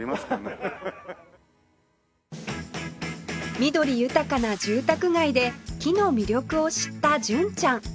緑豊かな住宅街で木の魅力を知った純ちゃん